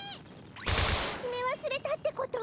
しめわすれたってこと！？